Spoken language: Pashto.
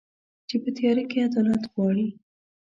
چي په تیاره کي عدالت غواړي